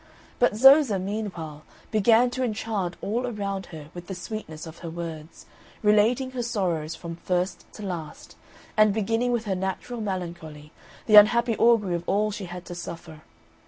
But Zoza, meanwhile, began to enchant all around her with the sweetness of her words, relating her sorrows from first to last, and beginning with her natural melancholy, the unhappy augury of all she had to suffer.